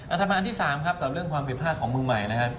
อันธรรมานที่๓ครับสำหรับเรื่องควารผิดภาษณ์ของเมืองใหม่